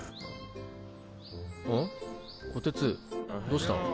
ん？こてつどうした？